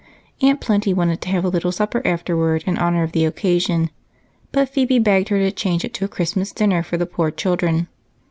Aunt Plenty wanted to have a little supper afterward in honor of the occasion, but Phebe begged her to change it to a Christmas dinner for the poor children.